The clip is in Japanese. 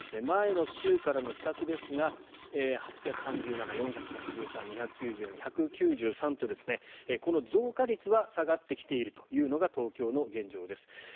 前の週からの比較ですが８３７、４８３２９４、１９３この増加率は下がってきているというのが東京の現状です。